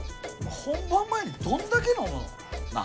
本番前にどんだけ飲むの？なあ。